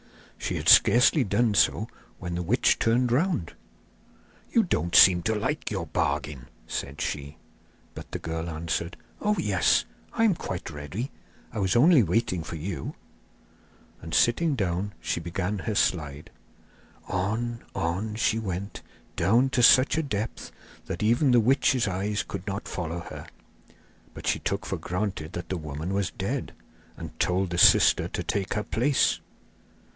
She had scarcely done so when the witch turned round. 'You don't seem to like your bargain,' said she; but the girl answered: 'Oh, yes, I am quite ready. I was only waiting for you!' And sitting down she began her slide. On, on, she went, down to such a depth that even the witch's eyes could not follow her; but she took for granted that the woman was dead, and told the sister to take her place.